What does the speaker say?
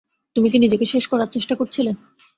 তুমি কি নিজেকে শেষ করার চেষ্টা করছিলে?